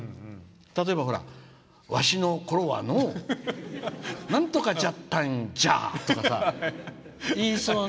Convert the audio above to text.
例えば、「わしのころはのうなんとかだったんじゃあ」とか。言いそう。